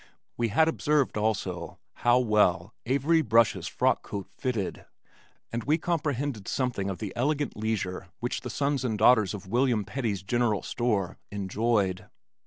We had observed also how well Avery Brush's frock coat fitted and we comprehended something of the elegant leisure which the sons and daughters of Wm. Petty's general store enjoyed.